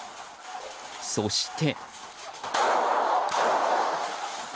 そして。